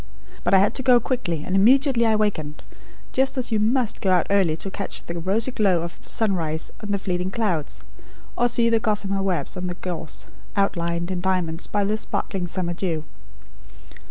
But I had to go quickly, and immediately I wakened; just as you must go out early to catch the rosy glow of sunrise on the fleeting clouds; or to see the gossamer webs on the gorse, outlined in diamonds, by the sparkling summer dew.